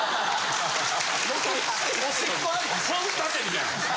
本立てみたいな。